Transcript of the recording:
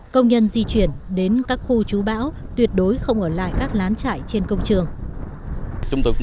công nhân di chuyển đến các khu trú bão tuyệt đối không ở lại các lán trại trên công trường